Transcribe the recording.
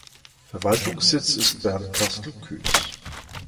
Verwaltungssitz ist Bernkastel-Kues.